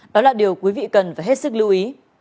đó là điều quý vị cần phải hết sức lưu ý